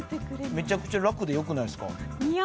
めちゃくちゃ楽でよくないっすか？